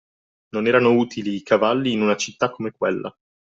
Non erano utili i cavalli in una città come quella.